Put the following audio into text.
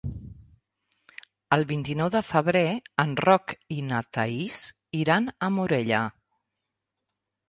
El vint-i-nou de febrer en Roc i na Thaís iran a Morella.